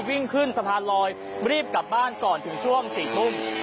วิ่งขึ้นสะพานลอยรีบกลับบ้านก่อนถึงช่วง๔ทุ่ม